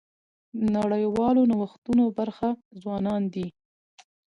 د نړیوالو نوښتونو برخه ځوانان دي.